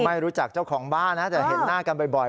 ไม่รู้จักเจ้าของบ้านนะแต่เห็นหน้ากันบ่อย